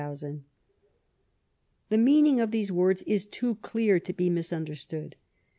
The meaning of these words is too clear to be mis understood.